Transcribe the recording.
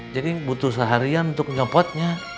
jadi butuh seharian untuk nyopotnya